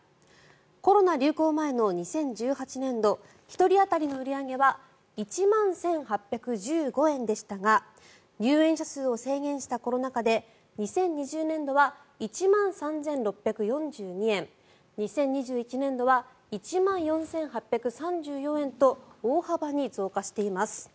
コロナ流行前の２０１８年度１人当たりの売り上げは１万１８１５円でしたが入園者数を制限したコロナ禍で２０２０年度は１万３６４２円２０２１年度は１万４８３４円と大幅に増加しています。